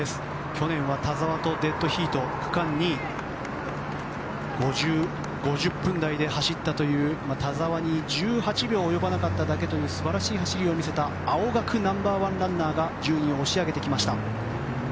去年は田澤とデッドヒート区間２位５０分台で走ったという田澤に１８秒及ばなかったという素晴らしい走りを見せた青学ナンバーワンランナーが順位を押し上げてきました。